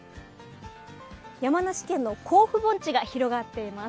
山梨県の甲府盆地が広がっています。